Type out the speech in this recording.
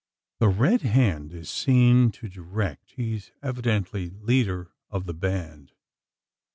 The Red Hand is seen to direct. He is evidently leader of the band.